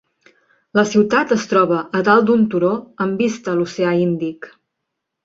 La ciutat es troba a dalt d'un turó amb vista a l'oceà Índic.